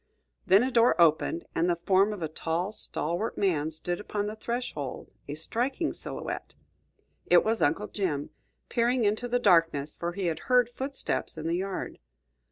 Then a door opened, and the form of a tall, stalwart man stood upon the threshold, a striking silhouette. It was Uncle Jim peering into the darkness, for he had heard footsteps in the yard.